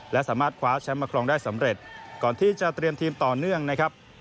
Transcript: และสามารถคว้าแชมป์มาครองได้สำเร็จก่อนที่จะเตรียมทีมต่อเนื่องนะครับ